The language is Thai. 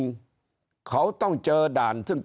ตัวเลขการแพร่กระจายในต่างจังหวัดมีอัตราที่สูงขึ้น